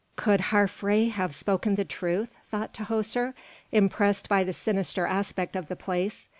"Could Harphre have spoken the truth?" thought Tahoser, impressed by the sinister aspect of the place.